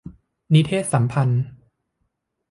นิเทศสัมพันธ์